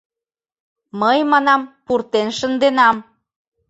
— Мый, манам, пуртен шынденам.